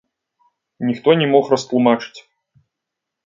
Ніхто не мог растлумачыць.